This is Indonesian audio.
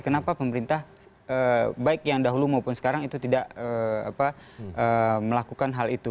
kenapa pemerintah baik yang dahulu maupun sekarang itu tidak melakukan hal itu